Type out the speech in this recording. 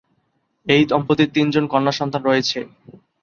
এই দম্পতির তিনজন কন্যাসন্তান রয়েছে।